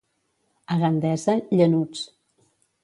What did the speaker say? A Gandesa, llanuts.